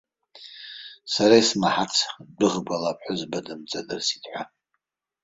Сара исмаҳац, дәыӷбала аԥҳәызба дымҵадырсит ҳәа.